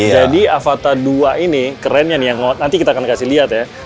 jadi avata dua ini kerennya nih yang nanti kita akan kasih lihat ya